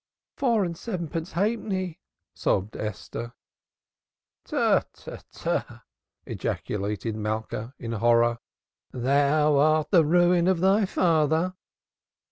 "Four and sevenpence halfpenny!" sobbed Esther. "Tu, tu, tu, tu, tu!" ejaculated Malka in horror. "Thou art the ruin of thy father."